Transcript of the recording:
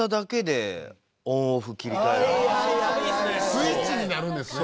スイッチになるんですね。